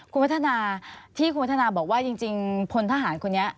คุณพัฒนาที่คุณวัฒนาบอกว่าจริงพลทหารคนนี้